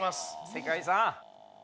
世界遺産。